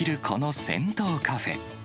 この銭湯カフェ。